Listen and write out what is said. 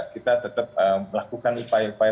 kita tetap melakukan upaya upaya